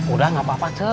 udah gak apa apa cel